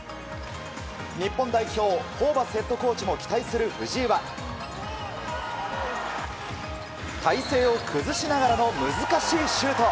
日本代表ホーバスヘッドコーチも期待する藤井は体勢を崩しながらも難しいシュート。